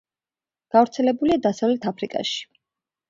გავრცელებულია დასავლეთ აფრიკაში.